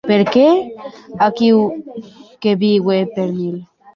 Per aquiu que vie eth perilh.